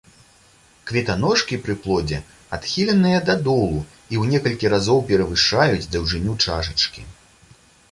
Кветаножкі пры плодзе адхіленыя дадолу і ў некалькі разоў перавышаюць даўжыню чашачкі.